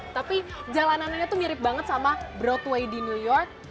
tapi jalanannya tuh mirip banget sama broadway di new york